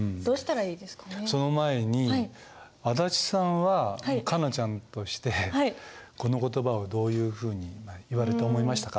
その前に足立さんはカナちゃんとしてこの言葉をどういうふうに言われて思いましたか？